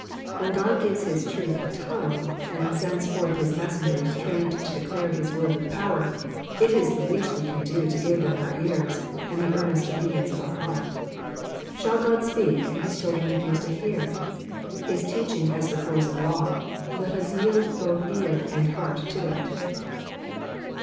When God gives his truth a tongue, and sends forth his messengers trained to declare his word with power, it is the least we can do to give them our ears and the earnest obedience of our hearts. Shall God speak, and his children refuse to bear? His tei^ching has the force ot law, let us yield both ear and heart to it.